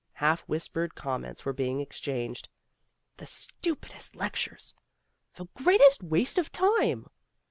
Half whispered com ments were being exchanged. "The stupidest lectures!" "The greatest waste of time!"